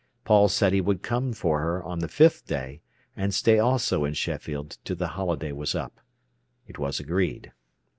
Paul said he would come for her on the fifth day, and stay also in Sheffield till the holiday was up. It was agreed.